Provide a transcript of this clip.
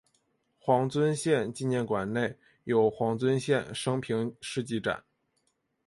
黄遵宪纪念馆内有黄遵宪生平事迹展。